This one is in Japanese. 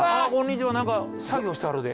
何か作業してはるで。